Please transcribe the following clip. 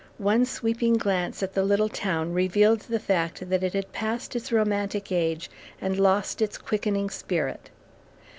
One sweeping glance at the little town revealed the fact that it had passed its romantic age and lost its quickening spirit.